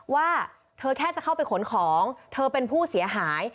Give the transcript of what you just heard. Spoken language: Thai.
ว่าเธอแค่จะเข้าไปขนของเธอเป็นผู้เสียหาย